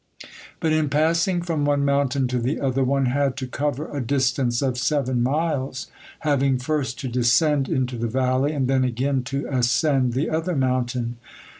But in passing from one mountain to the other, one had to cover a distance of seven miles, having first to descend into the valley, and then again to ascend the other mountain.